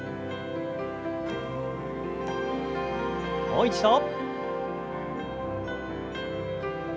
もう一度。